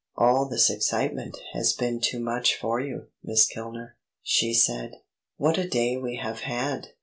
"All this excitement has been too much for you, Miss Kilner," she said. "What a day we have had!